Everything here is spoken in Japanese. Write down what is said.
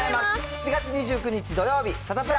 ７月２９日土曜日、サタプラ。